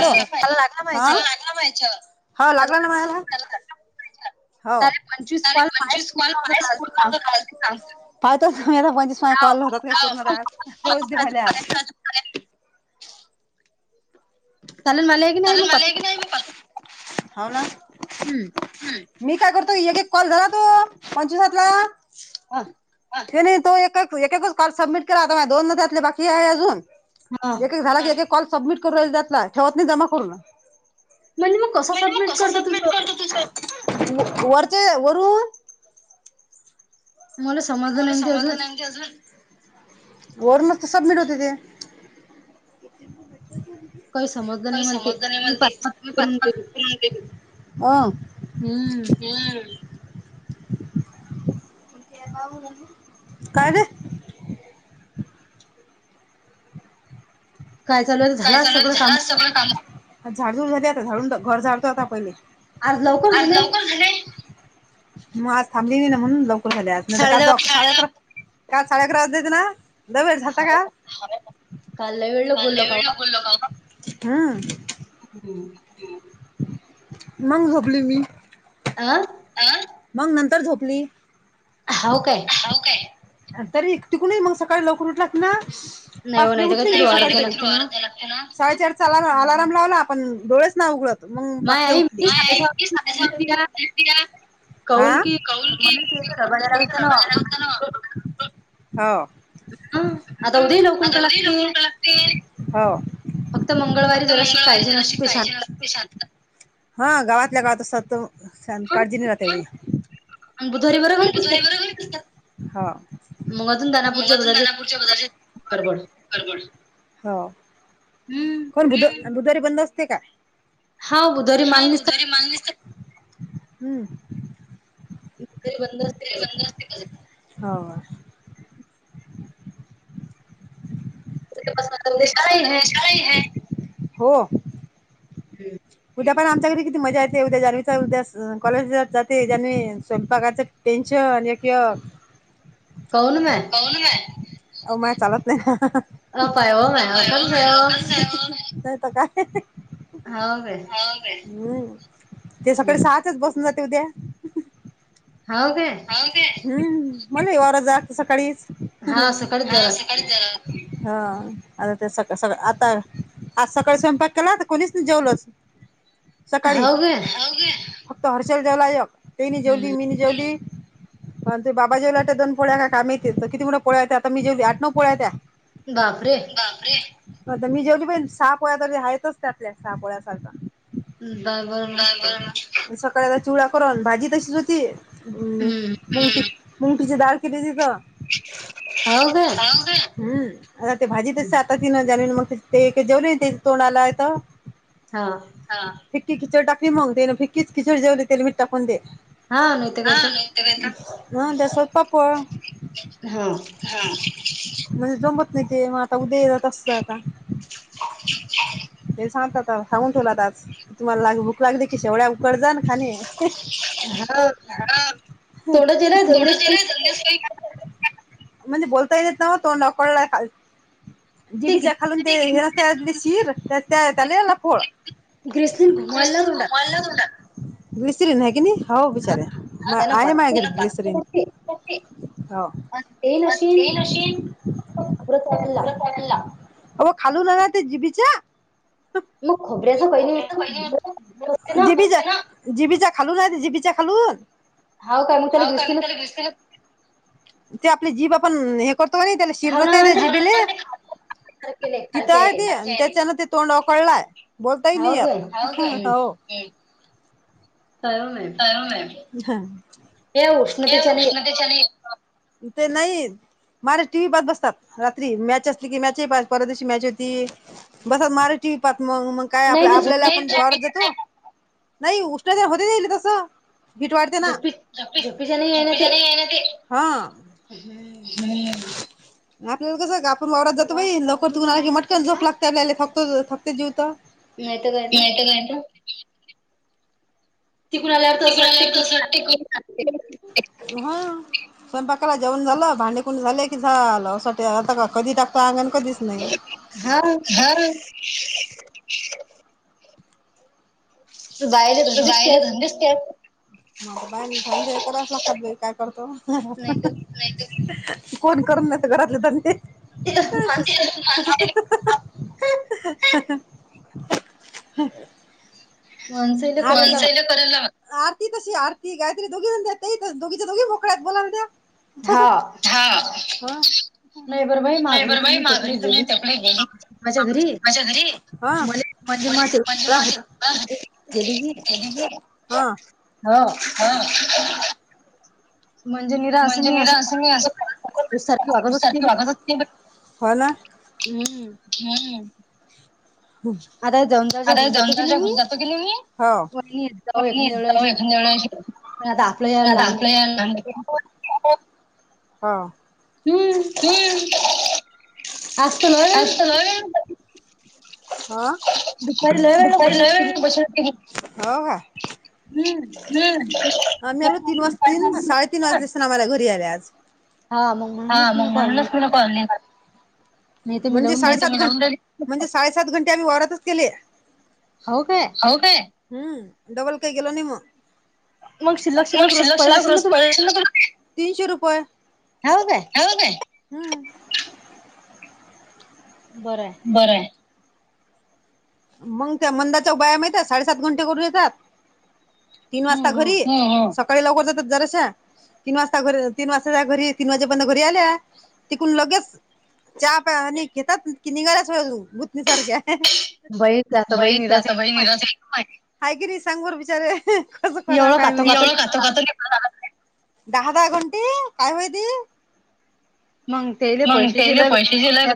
हो हा पाय हा लागला माय याच्याव हा लागला ना मायवाला हो पंचवीस कॉल पायस पूर पाहतच म्हणजेच पंचवीस माय कॉल होत काय पूर्ण होऊच दे माय आता चालून आले का नाही मी पाहतोय हवं ना हम्म मी काय करतो एक कॉल झाला तो पंचवीसातला ते नाही तो एक एकच कॉल सबमिट केला आता माय दोन त्यातले बाकी आहे अजून एक-एक झाला की एक-एक कॉल सबमिट करू त्यातला ठेवत नाही जमा करून म्हण मग कस सबमिट करत त वरते वरून मला मला समाज नाही म्हणजे अजून वरुनच तर सबमिट होते ते काही समजल नाही मला ते मी पाच-पाच करून दिले हो हम्म काय ग काय चाल झाला सगळं काम हा झाड झुड झाली आता झा घर झाडतो आता पहिले आज लवकर झाले. मग आज थांबली नाही ना म्हणून लवकर झाली नाही तर काल साडे अकरा काल साडे अकरा वाजले होते ना. लय वेळ झालता का काल लय वेळ लोक बोललो का ओ हम्मं हम्म मग झोपली मी [unintelligible] अ मग नंतर झोपली. होऊ काय तरी तिकून ही मग सकाळी लवकर उठलास ना पासले उठले मी सकाळी तरीवावरात जाईल लागत. साडेचार चा अलारम लावला आपण डोळेच नाय उघडत. ह पाचला उठली. आ. बजयचं ना वा. हो आता उदेही लवकर उठायला. हो फक्त मंगळवारी जरा अशी काळजी नसते शांत. हा गावातल्या गावात सत काळजीने राहते. बुधवारी बरोबरी करतात हो. मग अजून दानापूरच्या बाजार बडबड हो. पण बु बुधारी बंद असते का. हो बुधवारी मानलीसता. मानलीस हम्म. दुपारी बंद असतं. दुपारी बंद असतं हो. तर उद्या शाळा ही हाय. हो. हम. उद्या पण आमच्याकडे किती मजा येतेद्या उद्या जानवीच स कॉलेजात जाते जन्वी स्वयंपाकाच. टेन्शन येत. कोन है ओ माय चालत नाही. अब आये हो नाहीतर कासं हाय हो. होव का. हम्म सकाळी सहाच्याच बसून जाते उद्या. हाव काय. म्म मले वार जा सकाळीच. हा. आर ते सका सकाळ आता आज सकाळी स्वयंपाक केलाता कोणीच ना जेवलच. सकाळी फक्त हर्षल जेवलायक तेनी जेवली मी निय जेवली. पण ते बाबाजेवलाट दोनोळ्या काम यतील तरितीठ पोळ्यात त्या आताी जे आठ नव पोळ्यात हात्या. बापरे. आता मी जेवले पहि सहा पोळ्या तर आहेतच त्यातल्या सहा पोळ्यासारखा. सकाळला चुवळा करून भाजी तशीच होती. मु मुग मुंगटिचे दाळ केली होती ग. हम् आ ते भाजी तशीच आत तीन जाणून मग ते जेवले ते तोंड आलाय तर. हा. फिक्की खिचड टाकली मग दे ना फिक्कीच खिचड जेवली तेल मीठ टाकून दे हा ना. हा त्याच्यासोबत पापड. म्हणजे जाऊन बघते की मग आता उद्या येतात असत आता. हे सांगत आता सांगून ठेवला आज तुम्हाला ला भूक लागली की शेवढ्या उकड जा ना खाणे. लगा हा. [unintelligible] अ हो दोटा चेरा जलदीस काही म्हणजे बोलता येत नाव तोडावर कळलय हाय. जिबीच्या खालून ते रस्त्या शिर त्यालेला आले फोळ. ग्रेस लीन घुमला तोडात. मीसरीन हाय की नाही. ह ओ विचारा. ह आहे माझ्यामाया ग्लिसरीन. हो अन ते नशीन. मग खालू जाणार त्या जिभेच्या. जीभी ज्या ना जीबीचाा खालून, जीबीचा खालून स ते आपली जीब आपण हे करतव त्याला शिरणसाय झुडिली तथ तोंड पल्लाय बोलताय नाही आ हो काय ना उष्णतेच्याने, ते नाही येत महाराज टी व्ही बद बसतात रात्री मॅच असली की मॅच परदशी मॅच होती. बस मारच पत म म काय आप आपल्याला आपण जारत जातो नाही उष्णचार होतेचईल तस भीठ वाढते नापप ते हा हम्म आपल्याला कसं का आपण वावरात जातो बाई लोकर तुूनला की मटकन झोप लागते आपल्याला खतो खकते जवं यायेतं का येत चिकून आल्यावर असं वाटते हा स्वयंपाकाला जेवण झालं भांडे कुणी झाले की झालं अस आता का कधी टाक अगण का दिस नाही ग तू बायला घंदस त्यात मगता बाय मी थ करायच लातात काय करतो कोण करून नेत घरातलं तर ते [inaudible] हा तसल आरती तशी आरती काहीतरी दोघी्या ते दोघीच्या दोघी मोकळ्यात बो द्या हा ह नाही बरं बाई मा घरी तुम्ही तेपडे गेली्पाच्या घरी हो म्हज म्हणजे माझ खली की हा हा म्हणजे म्हणजे निीरा मी असं सारखी वागतच हो ना हम्म हा हो अ जन जा घ जातो गली म जा जा आ आपल्या हम्म हम्म असजत नाय हा दपारी बस ह हा हम्म हम्हीो तीन वाज तीन साडेतीीन वाजता दिसना आम्हाला घरी आले आज हा मग म्हळूनच मी कॉलनी ला पली म्हणजे साडेसात घंट म्हणजे साडेसात घंटे आम्ही वारातच केले हो काय हो काय हम्म डबल काही गेल ना मग मग शिल्लक शिल्लक रज पहि शिल्लक तीनशे रुपये हो का हो का बरं आहे बरं आहे मंग त्या मंदाच्या व्यायाम येतात, साडेसात घंटे करून येतात. तीन वाजता घरी, सकाळी लवकर जातात जराशा. तीन वाजता घर, तीन वाजता घरी, तीन वाजेपर्यंत घरी आल्या तिकून लगेच. चहा पाणी घेतात, कि निघाल्याच वं भूतनीसारख्या बई! बहीण आता बहीणीला चं आहे की नाही सांग बरं बिचारे कसं कराव काय बई. दहा, दहा घंटे काय होय ते. मंग तेले पैशे दिलेन.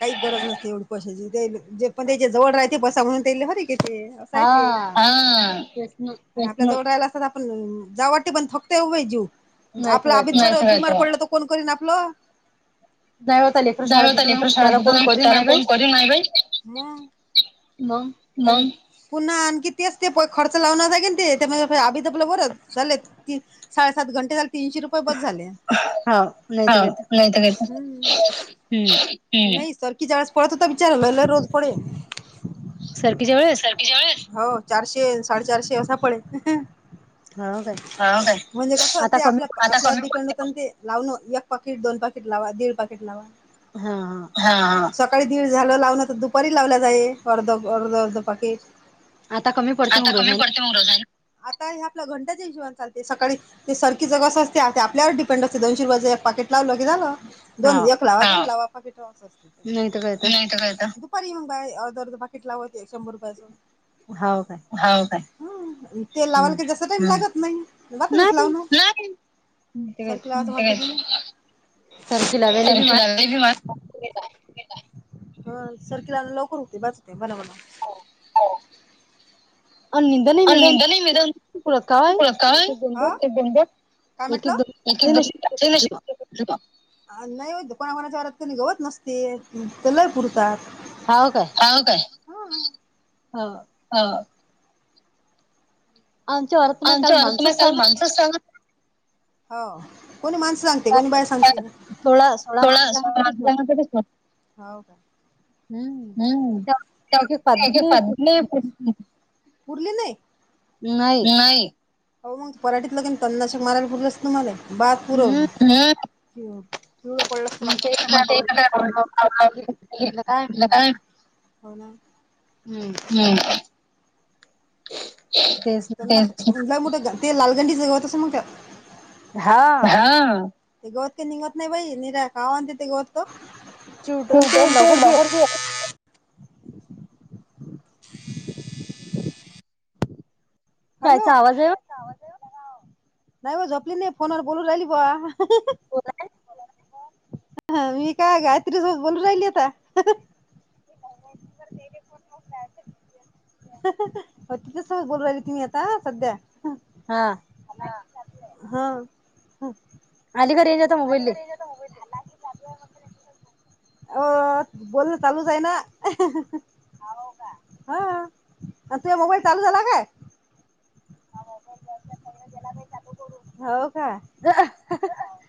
काही गरज नवती एवढी पैशाची. ते जे पण त्या जवळ राहते, बसा म्हणून तेले हरी केते. काय ते हं. आपल्या जवळ राहला असता त आपण जा वाटे पण थकत व्हय जीव आपला आभि बीामार पडल त कोण करीन आपलं. दळण आले खरं शाळेत कोण कोणी नाही बाई [unintelligible] मंग! पुन्हा आणखी तेच ते प खर्च लावला पाहिजे न [unintelligible] आभी तर आपल्या बरत झाले साडे सात घंटे झालं तीनशे रूप प बस झाले, हा नाहीत काय. नही सरखी च्या वेळेस पळत होता बीचारा लयी लयी रोज पडे. सरकी च्या वेळेसं? हो चारशे साडेचारशे असा पळे. हा काय म्हणजे कस ते आपल्या पण ते [unintelligible] लावल एक पाकिट, दोन पाकिट, लावा दीड पाकीट लावा. हा हा! हा सकाळी दीड झालं लावण, तर दुपारी लावलं जाईल अर्ध, अर्ध, अर्ध पाकीट. आता कमी पडत मग रोज हाईना. आता हे आपलं घंटाच हिशोबान चालते सकाळी ते सरकी चं कस असते ते आपल्यावर डिपेंड असते दोनशे रुपयाचं एक पाकेट, लावलं की झालं. दोन एक लावा पाकिट दुपारी येऊन अर्ध अर्ध [unintelligible] कितला होते शंभर रुपयाच. हाव काय? हाव काय ते लावायला काय जास्त टाईम लागत नाही. [unintelligible] [unintelligible] नाही ब मन ह सरकी लावन लवकर होते बास की भन, भन. आणिन. अ निंदा नाही म पुरस्कार एक [unintelligible] काय म्हटलं एक एक [unintelligible] आ नही होत ग कोणा कोणाच्या वावरात कणी गवत नसते ते लय पुरतात. हं काय हा! आमच्या वावरात. आमच्या वावरात ना काल माणस सांग हं कोणी माणसं सांग ते कोणी बायां सांग [unintelligible] सोळा, सोळा हाव का. हम्म पधले [unintelligible] पुरले नाही. नही नाही हो मग पराठीत ल का तन्नाशक मारायला पुरे असत तु मला बाद पुरव [unintelligible] [unintelligible] पडल असत बा मग ते का [unintelligible] होना. हम्म. हम्म. तेचं ना. म्ह मग ते लालगंडी जगवत अस मग त्या हा ते गवत की निघत नाही बाई निरा कावाते ते गवतो हो बम ते मार हॅलो नाही बा झपलीने फोन बोलू राहिल ब बलाय मी काय गायत्रीसोबत बोलून राहिली आता हो तिथच स बोलू रावी तिम्ही आता सध्या हा. हा. ह. आली का रेंज आता मोबाईलले? [inaudible] अ बोलणं चालूच आहे ना. हा तुजं मोबाईल चालू झाला काय? हो का. [unintelligible]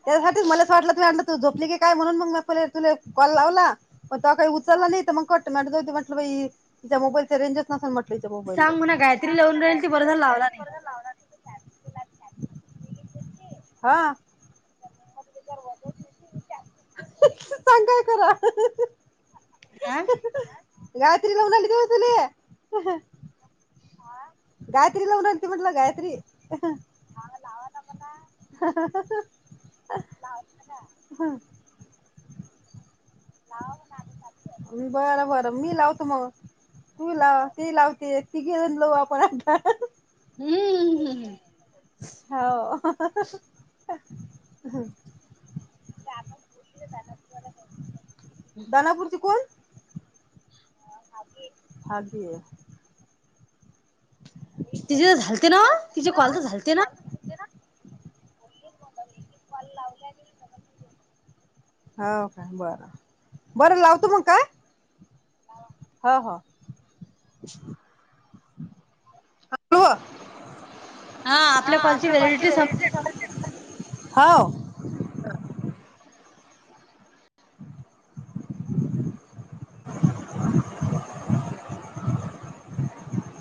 त्यासाठीच मला असं वाटलं तु अ तू झोपली की काय, म्हणून मग मग पले तुले कॉल लावला. पण त्वा काही उचचाला नाही तर मग कट्ट म होती म्हटलं बाई हिच्या मोबाईलचे रेंजच नसन म्हट सांग म्हणा गायत्री लावून राहील ती बरं झाला लावला नाही. हा. सांग काय खरा या. गायत्री लावून राहिले तुला तुले गायत्री लावून राहिलेत म्हटलं गायत्री हम्म. बरं बरं मी लावतो मग तू लाव ती लावते तिघे जणं लावू आपणं हम्म हम्म हम्म. हो. दनापूरची कोण? हाजी ये. तिचे तर झालते ना ओ तिचे कॉल तर झालते ना? [unintelligible] कॉल लावल्या नि हो काय बरं, बरं लावतो मग काय? हो हो. हा आपल्या कॉलची वॉलिडिटी संपली हो. ह. [unintelligible] [unintelligible]